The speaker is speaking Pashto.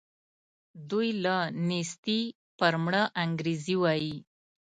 دوی له نېستي پر مړه انګرېږي وايي.